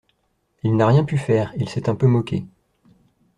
Il n'a rien pu faire, il s'est un peu moqué.